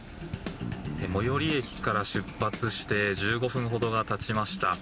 最寄駅から出発して１５分ほどがたちました。